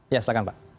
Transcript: ya silakan pak